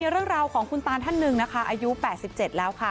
เรื่องราวของคุณตาท่านหนึ่งนะคะอายุ๘๗แล้วค่ะ